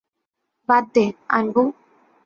বাদ দে, আনবু।